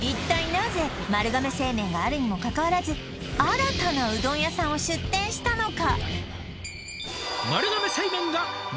なぜ丸亀製麺があるにもかかわらず新たなうどん屋さんを出店したのか？